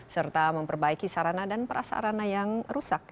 serta memperbaiki sarana dan prasarana yang rusak